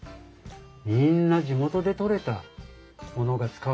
みんな地元で採れたものが使われているんです。